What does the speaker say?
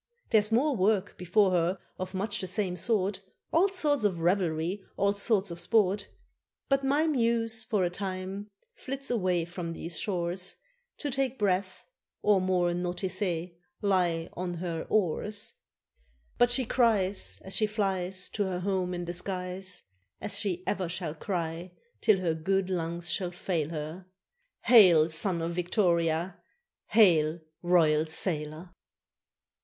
There's more work before her of much the same sort, All sorts of revelry, all sorts of sport. But my muse for a time flits away from these shores To take breath, or, more nauticé, "lie on her oars." But she cries, As she flies To her home in the skies, As she ever shall cry till her good lungs shall fail her, "Hail, Son of Victoria! hail, Royal Sailor!"